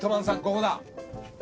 ここだ。